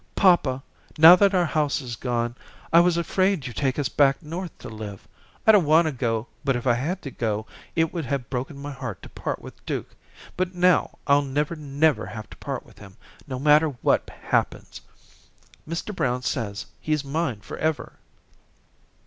"Papa, now that our house is gone, I was afraid you'd take us back North to live. I don't want to go, but if I had to go, it would have broken my heart to part with Duke, but now, I'll never, never have to part with him, no matter what happens. Mr. Brown says he's mine forever."